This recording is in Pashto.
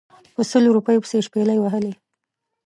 په سلو روپیو پسې شپلۍ وهلې.